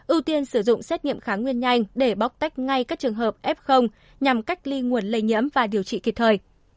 ưu tiên sử dụng xét nghiệm kháng nguyên nhanh để bóc tách ngay các trường hợp f nhằm cách ly nguồn lây nhiễm và điều trị kịp thời